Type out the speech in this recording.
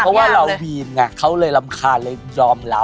เพราะว่าเราบีมไงเขาเลยรำคาญเลยยอมเรา